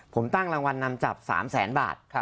ผมตั้งรางวัลนำจับ๓แสนบาท